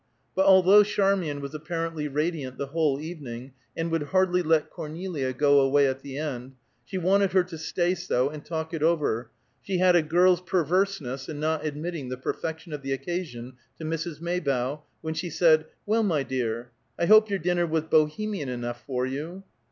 But although Charmian was apparently radiant the whole evening, and would hardly let Cornelia go away at the end, she wanted her to stay so and talk it over, she had a girl's perverseness in not admitting the perfection of the occasion to Mrs. Maybough, when she said, "Well, my dear, I hope your dinner was Bohemian enough for you."